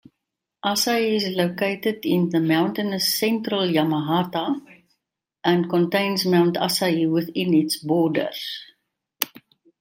Asahi is located in mountainous central Yamagata, and contains Mount Asahi within its borders.